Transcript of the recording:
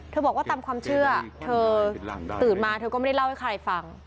บอกว่าตามความเชื่อเธอตื่นมาเธอก็ไม่ได้เล่าให้ใครฟัง